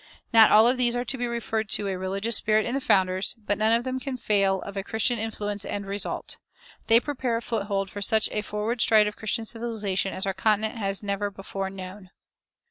Not all of these are to be referred to a religious spirit in the founders, but none of them can fail of a Christian influence and result. They prepare a foothold for such a forward stride of Christian civilization as our continent has never before known.